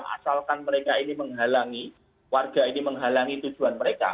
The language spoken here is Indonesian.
asalkan mereka ini menghalangi warga ini menghalangi tujuan mereka